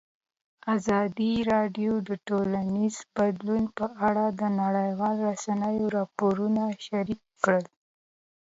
ازادي راډیو د ټولنیز بدلون په اړه د نړیوالو رسنیو راپورونه شریک کړي.